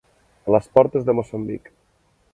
A les portes de Moçambic.